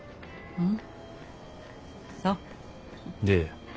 うん。